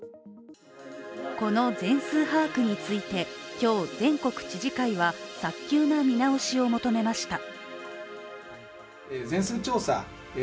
この全数把握について、今日、全国知事会は早急な見直しを求めました。